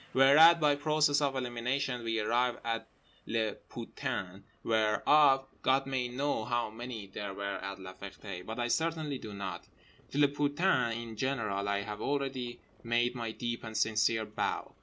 Whereat, by process of elimination, we arrive at les putains, whereof God may know how many there were at La Ferté, but I certainly do not. To les putains in general I have already made my deep and sincere bow.